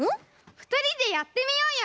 ふたりでやってみようよ！